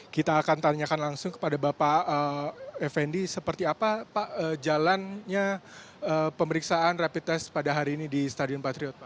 kita akan tanyakan langsung kepada bapak effendi seperti apa pak jalannya pemeriksaan rapid test pada hari ini di stadion patriot pak